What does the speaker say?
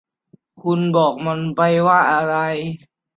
คุณบอกมันไปว่าอะไร